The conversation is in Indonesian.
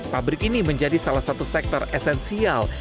pabrik ini menjadi salah satu sektor esensial